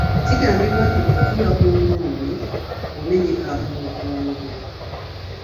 Kigambibwa nti bw'otuula ku nkumbi, omenyeka omugongo.